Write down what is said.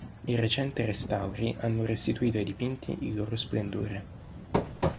I recente restauri hanno restituito ai dipinti il loro splendore.